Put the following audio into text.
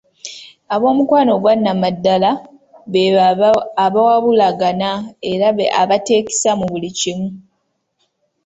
Ab'omukwano ogwannamaddala beebo abawabulagana era abateekisa mu buli kimu.